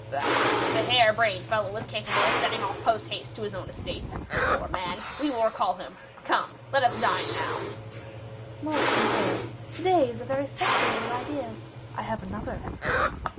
"Bah! the hair brained fellow is capable of setting off post haste to his own estates. Poor man! we will recall him. Come, let us dine now." "Monseigneur, to day is a very festival of ideas; I have another."